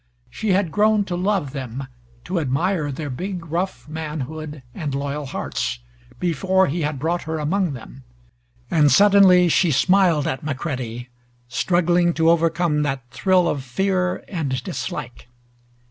She had grown to love them, to admire their big rough manhood and loyal hearts, before he had brought her among them; and suddenly she smiled at McCready, struggling to overcome that thrill of fear and dislike.